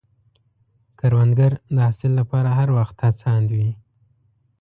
کروندګر د حاصل له پاره هر وخت هڅاند وي